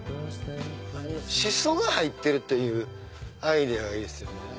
シソが入ってるというアイデアがいいですよね。